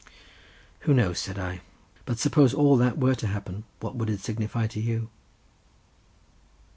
"Who knows?" said I. "But suppose all that were to happen, what would it signify to you?"